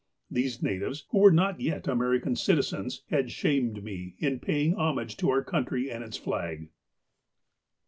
These natives, who were not yet American citizens, had shamed me in paying homage to our country and its flag.